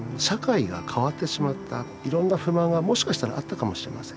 いろんな不満がもしかしたらあったかもしれません。